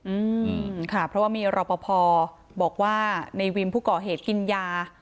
อืมค่ะเพราะว่ามีรอปภบอกว่าในวิมผู้ก่อเหตุกินยา